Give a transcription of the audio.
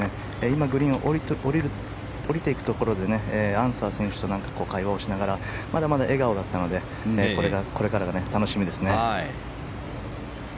今、グリーンを下りていくところでアンサー選手と会話をしながらまだまだ笑顔だったのでこれからが楽しみですね。